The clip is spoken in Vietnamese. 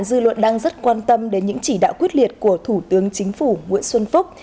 dư luận đang rất quan tâm đến những chỉ đạo quyết liệt của thủ tướng chính phủ nguyễn xuân phúc